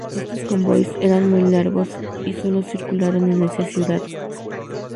Estos convoyes eran muy largos y sólo circularon en esa ciudad.